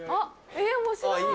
え面白い！